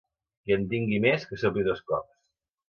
Qui en tingui més, que sopi dos cops.